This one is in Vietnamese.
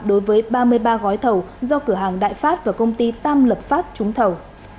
đối với ba mươi ba gói thầu do cửa hàng đại pháp và công ty tam lập pháp trúng thầu